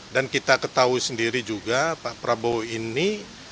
dan kita ketahui sendiri juga pak prabowo ini